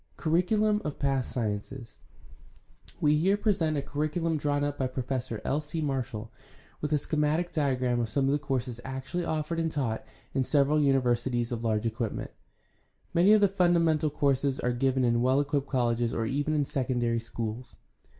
Curriculum of social sciences. — We here present a curricu lum drawn up by Professor L. C. Marshall, with a schematic diagram of some of the courses actually offered and taught in several universities of large equipment. Many of the fim damental courses are given in well equipped colleges or even in secondary schools.